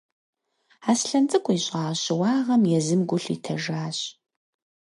Аслъэн цӏыкӏу ищӏа щыуагъэм езым гу лъитэжащ.